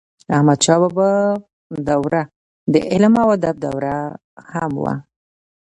احمدشاه بابا دوره د علم او ادب دوره هم وه.